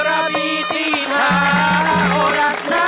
สวัสดีครับ